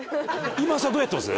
今田さんどうやってます？